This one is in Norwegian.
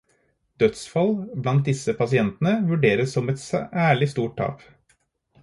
Dødsfall blant disse pasientene vurderes som et særlig stort tap.